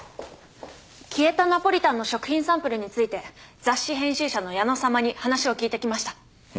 消えたナポリタンの食品サンプルについて雑誌編集者の矢野様に話を聞いてきました。